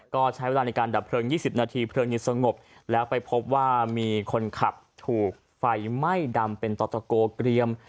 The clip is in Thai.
ก็ใช้เวลาในการดับเพลิง๒๐นาทีเพลิงยังสงบแล้วไปพบว่ามีคนขับถูกไฟไหม้ดำเป็นต่อตะโกเกรียม